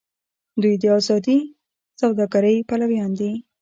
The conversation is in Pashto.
دوی د ازادې سوداګرۍ پلویان دي.